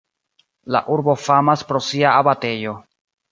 La urbo famas pro sia abatejo.